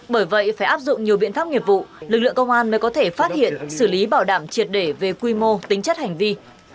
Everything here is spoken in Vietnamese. bởi vậy phải áp dụng nhiều biện pháp nghiệp vụ lực lượng công an mới có thể phát hiện xử lý bảo đảm triệt để về quy mô tính chất hành vi